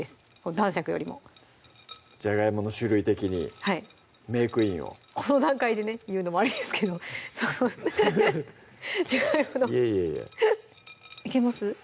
男爵よりもじゃがいもの種類的にメークインをこの段階でね言うのもあれですけどいえいえいえいけます？